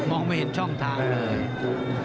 ไม่เห็นช่องทางเลย